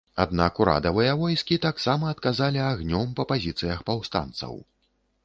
Аднак, урадавыя войскі таксама адказалі агнём па пазіцыях паўстанцаў.